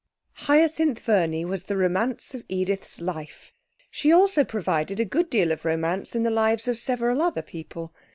Hyacinth Verney was the romance of Edith's life. She also provided a good deal of romance in the lives of several other people.